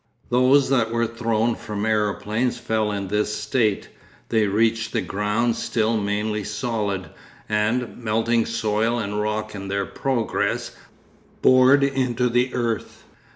Those that were thrown from aeroplanes fell in this state, they reached the ground still mainly solid, and, melting soil and rock in their progress, bored into the earth.